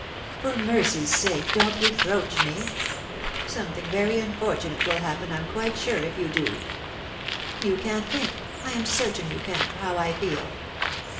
For mercy's sake don't reproach me ! Something very unfortunate will happen, Pm quite sure, if you do. You can't think, I am certain you can't, how I feel.